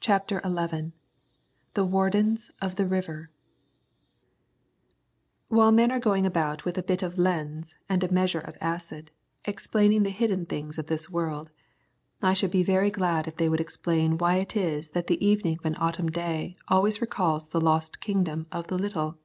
CHAPTER XI THE WARDENS OF THE RIVER While men are going about with a bit of lens and a measure of acid, explaining the hidden things of this world, I should be very glad if they would explain why it is that the evening of an autumn day always recalls the lost Kingdom of the Little.